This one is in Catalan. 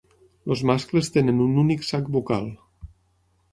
Els mascles tenen un únic sac bucal.